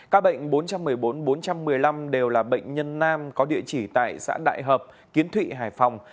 các bệnh bốn trăm một mươi bốn bốn trăm một mươi năm đều là bệnh nhân nam có địa chỉ tại xã đại hợp kiến thụy hải phòng